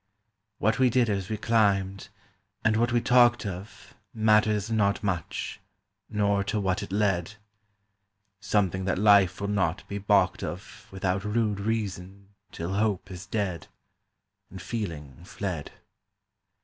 What we did as we climbed, and what we talked of Matters not much, nor to what it led,— Something that life will not be balked of Without rude reason till hope is dead, And feeling fled.